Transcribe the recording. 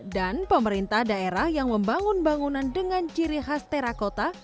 dan pemerintah daerah yang membangun bangunan dengan ciri khas terakota